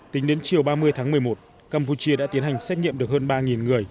tính đến chiều ba mươi tháng một mươi một campuchia đã tiến hành xét nghiệm được hơn ba người